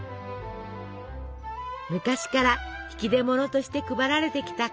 昔から引き出物として配られてきたコンフェッティ。